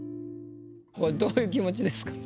これどういう気持ちですか？